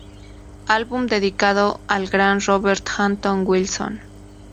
Álbum dedicado al gran Robert Anton Wilson.